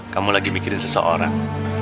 kamu lagi mikirin seseorang